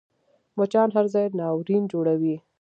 مچان هر ځای ناورین جوړوي